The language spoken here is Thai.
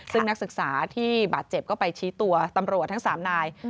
ซึ่งนักศึกษาที่บาดเจ็บก็ไปชี้ตัวตำรวจทั้ง๓นาย